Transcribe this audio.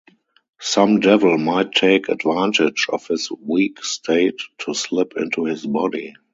Some devil might take advantage of his weak state to slip into his body.